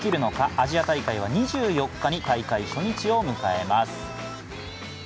アジア大会は２４日に大会初日を迎えます。